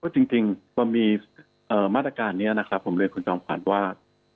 จริงพอมีมาตรการนี้นะครับผมเรียนคุณจอมขวัญว่า